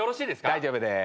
大丈夫です。